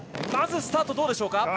まずスタートどうでしょうか。